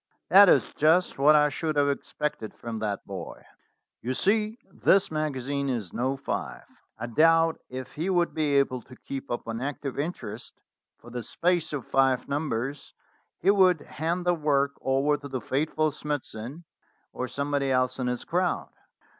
"That is just what I should have expected from that boy. You see, this magazine is 'No. 5' : I doubt if he would be able to keep up an active interest for the space of five numbers; he would hand the work over to the faithful Smithson, or somebody else in his crowd."